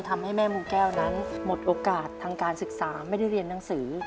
ทำให้แม่มูแก้วนั้นหมดโอกาสทางการศึกษาไม่ได้เรียนหนังสือ